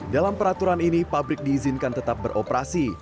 dalam peraturan ini pabrik diizinkan tetap beroperasi